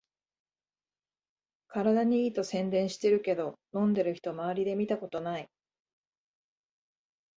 体にいいと宣伝してるけど、飲んでる人まわりで見たことない